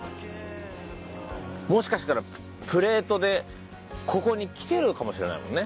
もしかしたらプレートでここに来てるのかもしれないもんね。